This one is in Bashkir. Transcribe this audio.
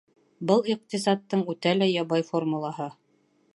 Был иҡтисадтың үтә лә ябай формулаһы.